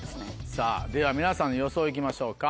さぁでは皆さんの予想いきましょうか。